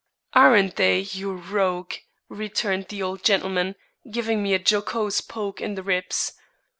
"Aren't they, you rogue!" retorted the old gentleman, giving me a jocose poke in the ribs.